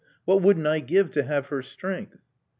What wouldn't I give to have her strength!"